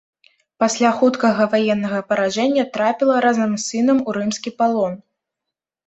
Пасля хуткага ваеннага паражэння трапіла, разам з сынам, у рымскі палон.